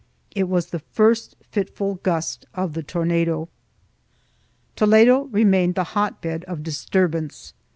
It was the first fitful gust of the tornado. Toledo remained the hot bed of disturbance.